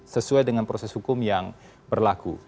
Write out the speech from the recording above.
sesuai dengan proses hukum yang berlaku